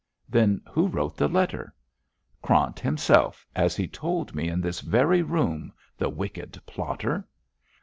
'Then who wrote the letter?' 'Krant himself, as he told me in this very room, the wicked plotter!'